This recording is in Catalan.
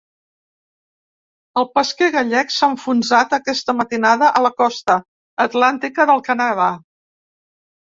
Un pesquer gallec s’ha enfonsat aquesta matinada a la costa atlàntica del Canadà.